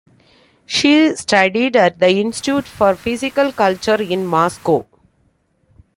She studied at the Institute for Physical Culture in Moscow.